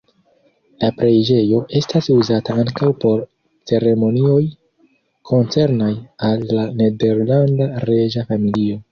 La preĝejo estas uzata ankaŭ por ceremonioj koncernaj al la nederlanda reĝa familio.